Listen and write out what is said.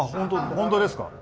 本当ですか？